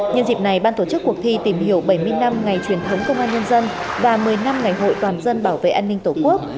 nhân dịp này ban tổ chức cuộc thi tìm hiểu bảy mươi năm ngày truyền thống công an nhân dân và một mươi năm ngày hội toàn dân bảo vệ an ninh tổ quốc